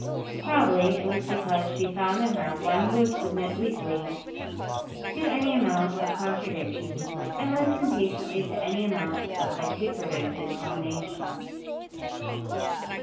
Probably it was because she found in her one who would submit meekly to any amount of contradiction, and listen patiently to any amount of vituperative declamation.